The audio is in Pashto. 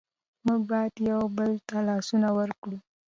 موږ باید یو بل ته لاسونه ورکړو.